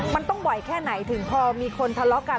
มันต้องบ่อยแค่ไหนถึงพอมีคนทะเลาะกัน